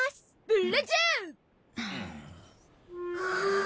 ブ・ラジャー！